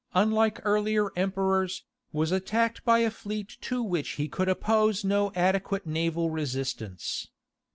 unlike earlier emperors, was attacked by a fleet to which he could oppose no adequate naval resistance.